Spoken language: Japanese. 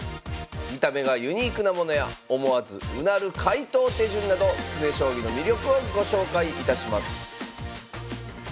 見た目がユニークなものや思わずうなる解答手順など詰将棋の魅力をご紹介いたします